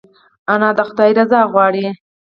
انا د خدای رضا غواړي